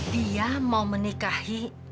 dia mau menikahi